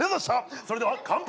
それでは乾杯！